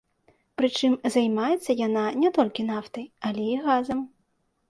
Прычым займаецца яна не толькі нафтай, але і газам.